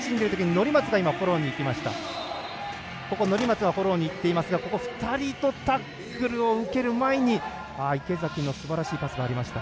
乗松がフォローにいっていますが２人のタックルを受ける前に池崎のすばらしいパスがありました。